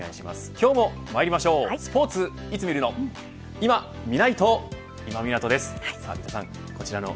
今日もまいりましょうスポーツ、いつ見るの。